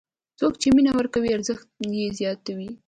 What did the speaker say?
څوک چې مینه ورکوي، ارزښت یې زیاتوي.